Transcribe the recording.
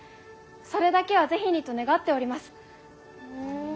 それだけは是非にと願っております。